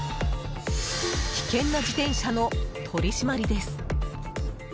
危険な自転車の取り締まりです。